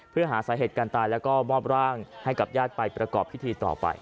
เพื่อหาสาเหตุการณ์ตายแล้วก็มอบร่างให้กับญาติไปประกอบพิธีต่อไป